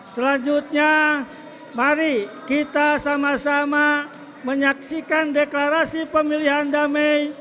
selanjutnya mari kita sama sama menyaksikan deklarasi pemilihan damai